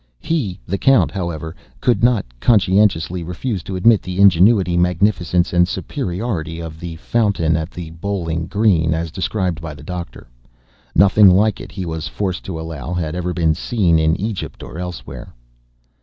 He (the Count), however, could not conscientiously refuse to admit the ingenuity, magnificence, and superiority of the Fountain at the Bowling Green, as described by the Doctor. Nothing like it, he was forced to allow, had ever been seen in Egypt or elsewhere.